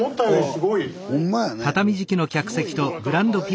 すごいな。